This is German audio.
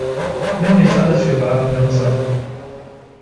Nimm nicht alles für bare Münze!